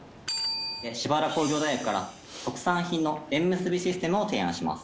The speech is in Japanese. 芝浦工業大学から特産品の縁結びシステムを提案します。